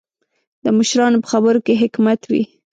د مشرانو په خبرو کې حکمت وي.